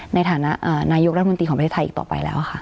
ในฐานะนายกรัฐมนตรีของประเทศไทยอีกต่อไปแล้วค่ะ